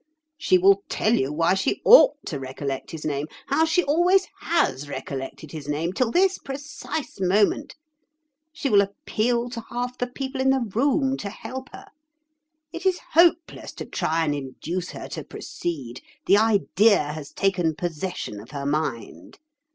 She will tell you why she ought to recollect his name, how she always has recollected his name till this precise moment. She will appeal to half the people in the room to help her. It is hopeless to try and induce her to proceed, the idea has taken possession of her mind.